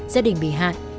gia đình bị hạt